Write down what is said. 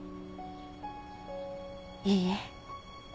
いいえ。